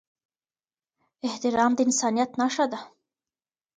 احترام د انسانيت نښه ده.